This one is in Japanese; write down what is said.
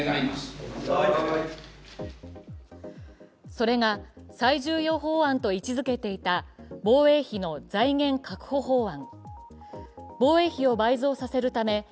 それが最重要法案と位置づけていた防衛費の財源確保法案。